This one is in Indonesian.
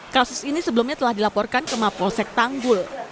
kasus ini sebelumnya telah dilaporkan ke mapolsek tanggul